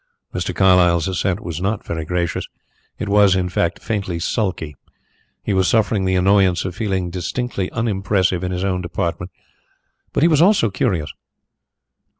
Mr. Carlyle's assent was not very gracious; it was, in fact, faintly sulky. He was suffering the annoyance of feeling distinctly unimpressive in his own department; but he was also curious.